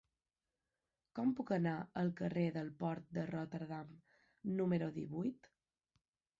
Com puc anar al carrer del Port de Rotterdam número divuit?